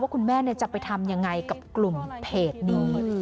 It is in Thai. คุณแม่จะไปทำยังไงกับกลุ่มเพจนี้